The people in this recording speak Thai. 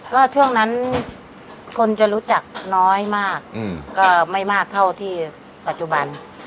ก็ช่วงนั้นคนจะรู้จักน้อยมากก็ไม่มากเท่าที่ปัจจุบัน